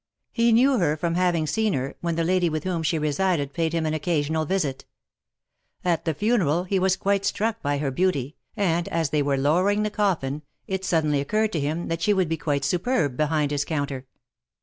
He knew her from having seen her, when the lady with whom she resided paid him an occasional visit. At the funeral he was quite struck by her beauty, and, as they were lowering the coffin, it suddenly occurred to him that she would be quite superb behind his counter.